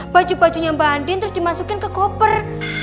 baju bajunya mbak andin terus dimasukin ke koper